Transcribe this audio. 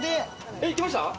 えっいけました？